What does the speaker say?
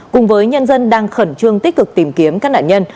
cùng với nhân dân đang khẩn trương tích cực tìm kiếm các nạn nhân